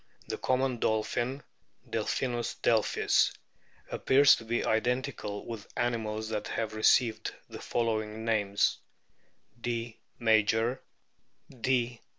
The Common Dolphin, Delphinus delphis, appears to be identical with animals that have received the following names : D. major, D.